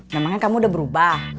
namanya kamu udah berubah